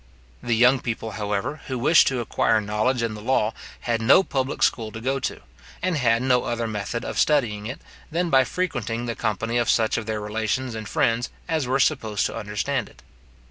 The young people, however, who wished to acquire knowledge in the law, had no public school to go to, and had no other method of studying it, than by frequenting the company of such of their relations and friends as were supposed to understand it.